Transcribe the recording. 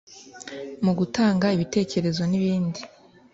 mu gutanga ibitekerezo n’ibindi